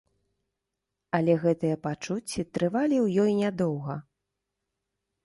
Але гэтыя пачуцці трывалі ў ёй нядоўга.